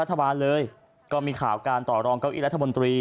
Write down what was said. รัฐวาลเลยก็มีข่าวการต่อรองเก้าอิทร์รัฐบนตรี